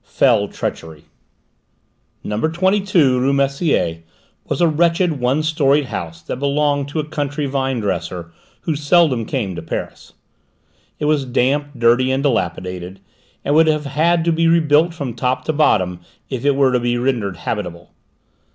XXXI. FELL TREACHERY Number 22 rue Messier was a wretched one storeyed house that belonged to a country vine dresser who seldom came to Paris. It was damp, dirty, and dilapidated, and would have had to be rebuilt from top to bottom if it were to be rendered habitable.